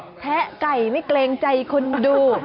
คุณพี่คะแทะไก่ไม่เกรงใจคนดู